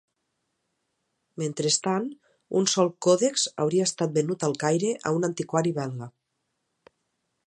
Mentrestant, un sol còdex hauria estat venut al Caire a un antiquari belga.